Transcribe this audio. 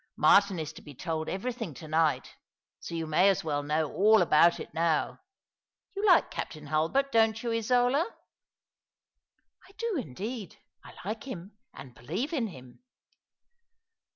Martin is to be told everything to night— so you may as well know all about it now. You like Captain Hulbert, don't you, Isola ?"I do, indeed. I like him, and believe in him."